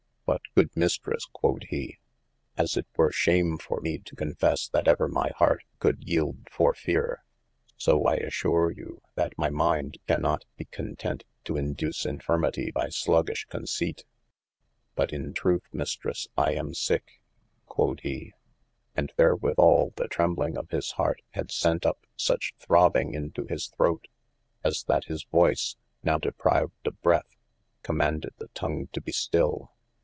But good Mistresse (quod he) as it were shame for me to con fesse that ever my hart coulde yeelde for feare, so I assure you that my minde cannot be content to induce infirmitie by 418 OF MASTER F. J. sluggishe conceyt : But in trueth Mistresse I am sicke (quod he,) and therewithall the trembling of his hart had sent up suche throbbing into his throte, as that his voyce (now deprived of breath) commaunded the tong to be still.